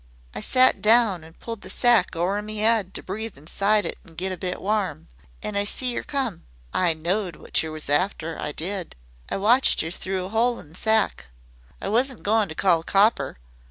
"I sat down and pulled the sack over me 'ead to breathe inside it an' get a bit warm. An' I see yer come. I knowed wot yer was after, I did. I watched yer through a 'ole in me sack. I wasn't goin' to call a copper.